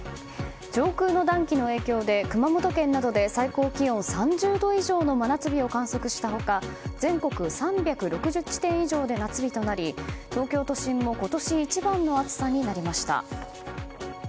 上空の暖気の影響で熊本県などで最高気温３０度以上の真夏日を観測した他全国３６０地点以上で夏日となり東京都心も今年一番の暑さになりました。